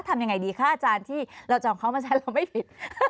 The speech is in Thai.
ทำอย่างไรดีคะอาจารย์ที่เราจะเอาเขามาที่นั้นเราไม่ผิด